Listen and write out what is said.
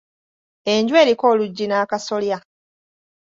Enju eriko oluggi n'akasolya.